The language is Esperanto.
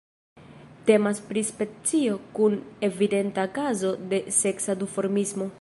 Temas pri specio kun evidenta kazo de seksa duformismo.